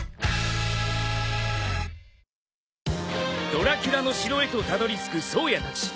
ドラキュラの城へとたどりつく颯也たち。